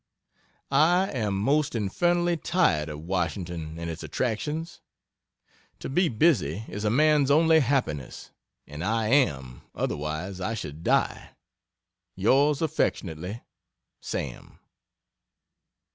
I am most infernally tired of Wash. and its "attractions." To be busy is a man's only happiness and I am otherwise I should die Yrs. aff. SAM.